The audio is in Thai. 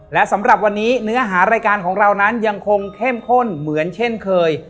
และสำหรับวันนี้เนื้อหารายการของเรานั้นยังคงเข้มข้นเหมือนเช่นเคย